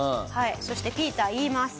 そしてピーター言います。